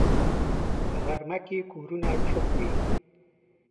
په غرمه کې کورونه چوپ وي